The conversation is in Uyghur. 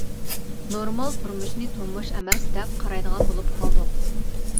نورمال تۇرمۇشنى تۇرمۇش ئەمەس دەپ قارايدىغان بولۇپ قالدۇق.